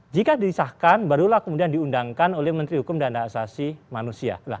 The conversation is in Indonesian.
jika disahkan barulah kemudian diundangkan oleh menteri hukum dan asasi manusia